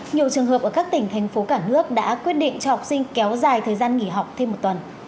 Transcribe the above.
nhiều trường hợp ở các tỉnh thành phố cả nước đã quyết định cho học sinh kéo dài thời gian nghỉ học thêm một tuần